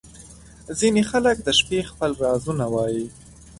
• ځینې خلک د شپې خپل رازونه وایې.